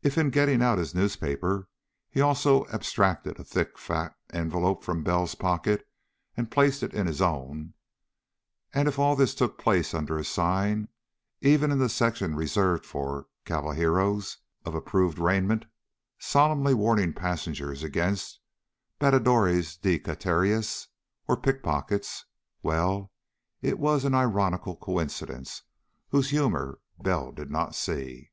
If in getting out his newspaper he also abstracted a thick fat envelope from Bell's pocket and placed it in his own, and if all this took place under a sign even in the section reserved for cavalhieros of approved raiment solemnly warning passengers against "batadores de carteiras," or pickpockets well, it was an ironical coincidence whose humor Bell did not see.